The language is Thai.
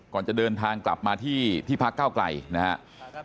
ก่อนจะเดินทางกลับมาที่ที่พักเก้าไกลนะครับ